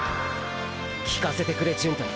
聞かせてくれ純太。